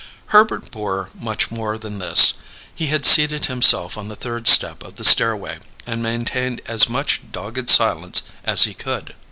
Herbert bore much more than this. He had seated himself on the third step of the stairway, and maintained as much dogged silence as he could.